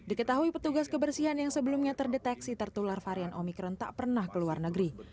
diketahui petugas kebersihan yang sebelumnya terdeteksi tertular varian omikron tak pernah ke luar negeri